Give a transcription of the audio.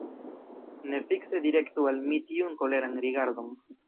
Ne fikse direktu al mi tiun koleran rigardon.